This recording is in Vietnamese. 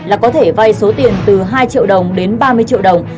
là có thể vay số tiền từ hai triệu đồng đến ba mươi triệu đồng